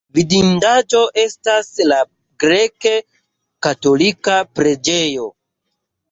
Vidindaĵo estas la grek-katolika preĝejo.